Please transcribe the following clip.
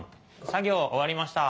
作業終わりました。